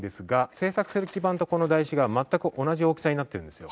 製作する基板とこの台紙が全く同じ大きさになってるんですよ。